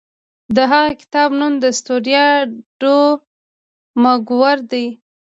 د هغه د کتاب نوم ستوریا ډو مګور دی.